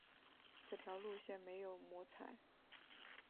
此条路线没有摸彩